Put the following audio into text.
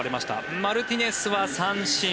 マルティネスは三振。